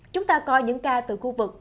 chúng ta coi những ca từ khu vực